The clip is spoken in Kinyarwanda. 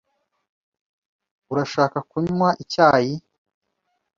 Urashaka kunywa icyayi?